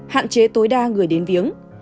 hạn chế tối đa người đến viếng